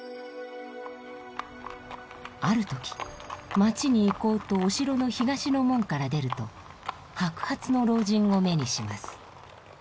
ある時町に行こうとお城の東の門から出ると白髪の老人を目にします。